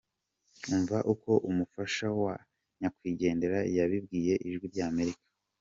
Umva uko umufasha wa nyakwigendera yabibwiye Ijwi ry’Amerika.